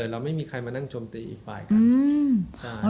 เราไม่มีใครมานั่งจมตีอีกฝ่ายกัน